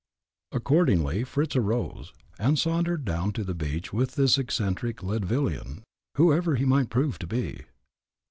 Accordingly Fritz arose, and sauntered down to the beach with this eccentric Leadvillian, whoever he might prove to be.